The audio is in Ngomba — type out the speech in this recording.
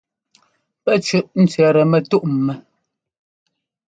Pɛ́ cʉʼ cʉɛtɛ mɛ́túʼ ḿmɛ́ʼ.